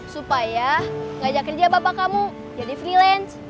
supaya ngajak kerja bapak kamu jadi freelance